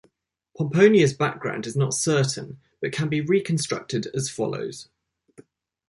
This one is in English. Pomponia's background is not certain, but can be reconstructed as follows.